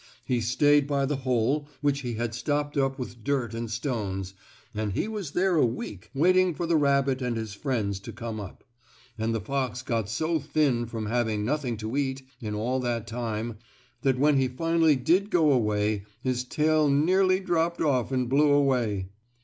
He stayed by the hole, which he had stopped up with dirt and stones, and he was there a week, waiting for the rabbit and his friends to come up. And the fox got so thin from having nothing to eat in all that time that when he finally did go away his tail nearly dropped off and blew away.